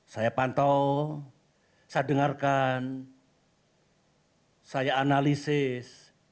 saya pantau saya dengarkan saya analisis